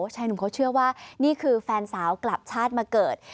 ชายหนุ่มเขาเชื่อว่านี่คือแฟนสาวกลับชาติมาเกิด